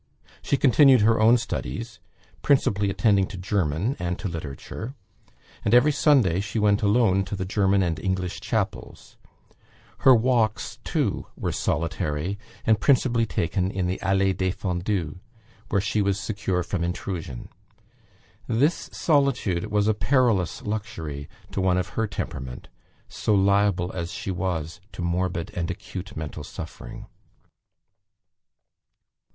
She continued her own studies, principally attending to German, and to Literature; and every Sunday she went alone to the German and English chapels. Her walks too were solitary, and principally taken in the allee defendue, where she was secure from intrusion. This solitude was a perilous luxury to one of her temperament; so liable as she was to morbid and acute mental suffering.